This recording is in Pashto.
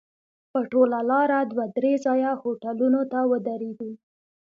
په ټوله لاره دوه درې ځایه هوټلونو ته ودرېدو.